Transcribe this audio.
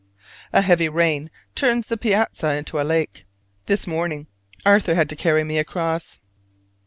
A heavy rain turns the Piazza into a lake: this morning Arthur had to carry me across.